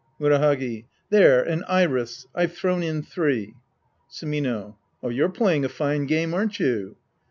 Murahagi. There, an iris. I've thrown in three. Sumino. You're playing a fine game, aren't you?